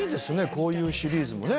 こういうシリーズもね。